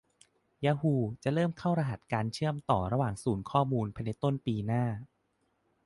ยาฮูจะเริ่มเข้ารหัสการเชื่อมต่อระหว่างศูนย์ข้อมูลภายในต้นปีหน้า